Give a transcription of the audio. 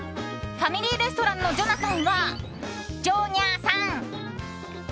ファミリーレストランのジョナサンはジョニャサン。